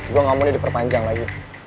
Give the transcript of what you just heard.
gua gak mau ini diperpanjang lagi